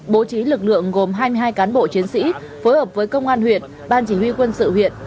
bố trí lực lượng gồm hai mươi hai cán bộ chiến sĩ phối hợp với công an huyện ban chỉ huy quân sự huyện